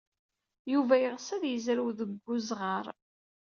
Yuba yeɣs ad yezrew deg uzɣar.